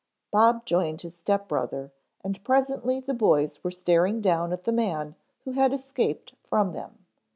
Bob joined his step brother and presently the boys were staring down at the man who had escaped from them.